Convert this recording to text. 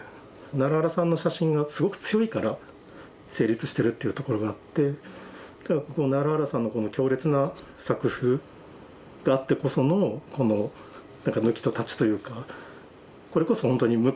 奈良原さんの写真がすごく強いから成立してるっていうところがあって奈良原さんのこの強烈な作風があってこそのこの抜きと立というか。